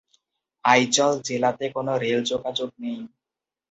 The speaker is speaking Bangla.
আইজল জেলাতে কোন রেল যোগাযোগ নেই।